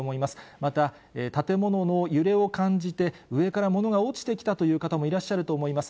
また、建物の揺れを感じて、上から物が落ちてきたという方もいらっしゃると思います。